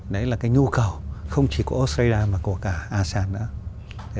đấy là cái nhu cầu không chỉ của australia mà của cả asean nữa